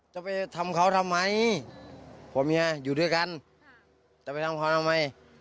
จะไปทำเขาทำไมผัวเมียอยู่ด้วยกันจะไปทำพรทำไม